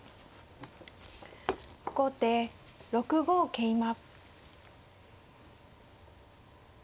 後手６五桂馬。